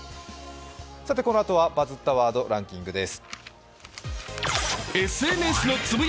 このあとは「バズったワードランキング」です。